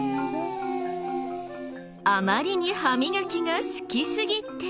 あまりに歯磨きが好きすぎて。